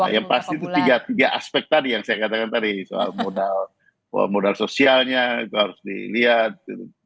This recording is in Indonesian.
yang pasti itu tiga aspek tadi yang saya katakan tadi soal modal sosialnya itu harus dilihat